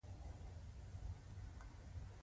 سرټنبه شخص د بل پر ځای و ځانته تاوان رسوي.